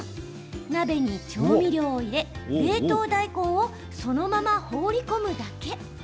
鍋に調味料を入れ、冷凍大根をそのまま放り込むだけ。